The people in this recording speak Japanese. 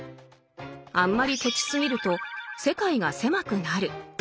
あんまりケチすぎると世界が狭くなる。